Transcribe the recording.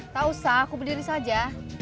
tak usah aku berdiri saja